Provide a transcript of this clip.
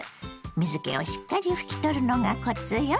水けをしっかり拭き取るのがコツよ。